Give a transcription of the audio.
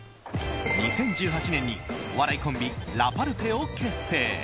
２０１８年にお笑いコンビラパルフェを結成。